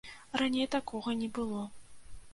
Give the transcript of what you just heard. Раней такога не было.